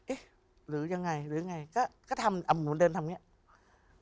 เอ๊ะหรือยังไงหรือไงก็ทำหนูเดินทำอย่างนี้